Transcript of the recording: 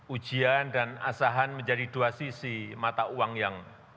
ujian dan asahan menjadi dua sisi mata uang yang